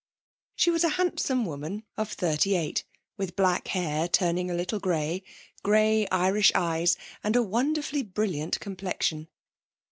She was a handsome woman of thirty eight, with black hair turning a little grey, grey Irish eyes and a wonderfully brilliant complexion.